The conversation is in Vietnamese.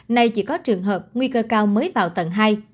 nay chỉ có trường hợp nguy cơ cao mới vào tầng hai